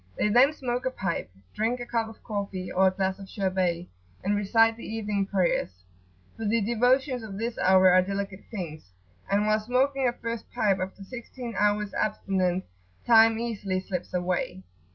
They then smoke a pipe, drink a cup of coffee or a glass of sherbet, and recite the evening prayers; for the devotions of this hour are delicate things, and while smoking a first pipe after sixteen hours' abstinence, time easily slips away.